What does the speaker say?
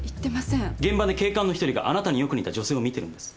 現場で警官のひとりがあなたによく似た女性を見ているんです。